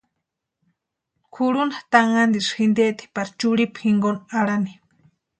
Kʼurhunta takantisï jinteeti pari churhipu jinkoni arhani.